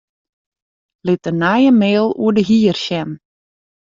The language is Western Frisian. Lit de nije mail oer de hier sjen.